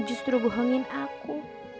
justru bohongin aku